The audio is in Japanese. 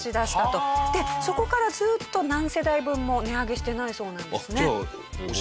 でそこからずっと何世代分も値上げしてないそうなんですね。